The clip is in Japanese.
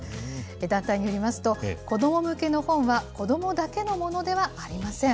団体によりますと、子ども向けの本は、子どもだけのものではありません。